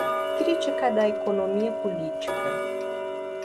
Crítica da Economia Política